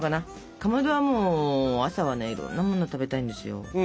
かまどはもう朝はいろんなものが食べたいんですよ。